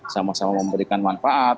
sama sama memberikan manfaat